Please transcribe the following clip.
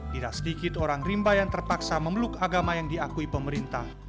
tidak sedikit orang rimba yang terpaksa memeluk agama yang diakui pemerintah